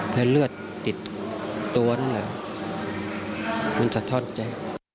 และเลือดติดตัวนั้นแล้วมันสะท้อนใจ